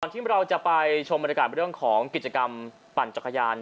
ที่เราจะไปชมบรรยากาศเรื่องของกิจกรรมปั่นจักรยาน